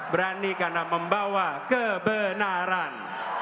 berani karena membawa kebenaran